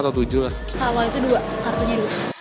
kalo itu dua kartunya dua